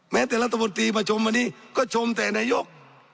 แม้แต่รัฐบุตรตีมาชมวันนี้ก็ชมแต่นายก